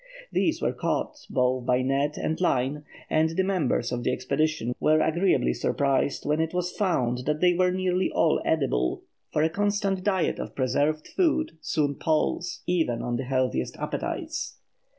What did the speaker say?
These were caught, both by net and line, and the members of the expedition were agreeably surprised when it was found that they were nearly all edible, for a constant diet of preserved food soon palls, even on the healthiest appetites.